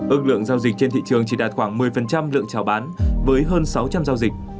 ước lượng giao dịch trên thị trường chỉ đạt khoảng một mươi lượng trào bán với hơn sáu trăm linh giao dịch